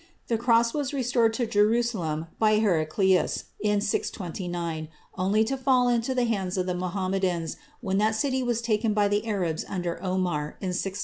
The cross was restored to Jerusalem by Heraclius in 629, only to fall into the hands of the Mohammedans when that city was taken by the Arabs under Omar, in 637.